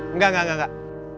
enggak enggak enggak